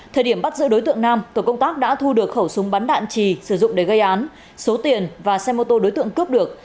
thời điểm bắt giữ đối tượng nam tổ công tác đã thu được khẩu súng bắn đạn trì sử dụng để gây án số tiền và xe mô tô đối tượng cướp được